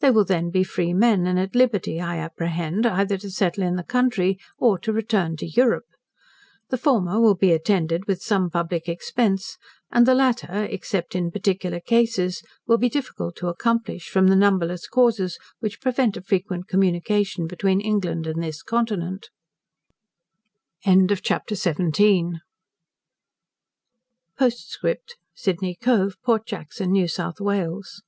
They will then be free men, and at liberty, I apprehend, either to settle in the country, or to return to Europe. The former will be attended with some public expense; and the latter, except in particular cases, will be difficult to accomplish, from the numberless causes which prevent a frequent communication between England and this continent. POSTSCRIPT Sydney Cove, Port Jackson, New South Wales.